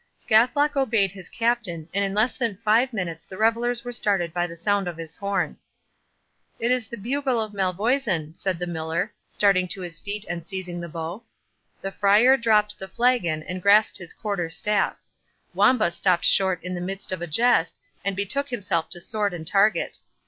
Scathlock obeyed his captain, and in less than five minutes the revellers were startled by the sound of his horn. "It is the bugle of Malvoisin," said the Miller, starting to his feet, and seizing his bow. The Friar dropped the flagon, and grasped his quarter staff. Wamba stopt short in the midst of a jest, and betook himself to sword and target.